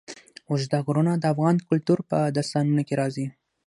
اوږده غرونه د افغان کلتور په داستانونو کې راځي.